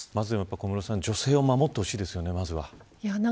小室さん、まずは女性を守ってほしいですよね。